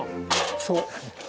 そう。